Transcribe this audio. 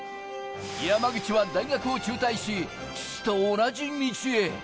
山口は大学を中退し、父と同じ道へ。